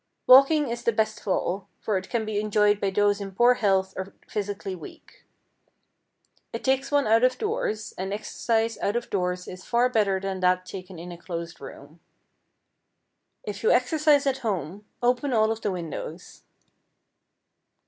Walking is the best of all, for it can be enjoyed by those in poor health or physically weak. It takes one out of doors, and exercise out of doors is far better than that taken in a closed room. If you exercise at home, open all of the windows.